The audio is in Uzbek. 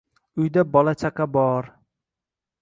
Uyda bola-chaqa bor…»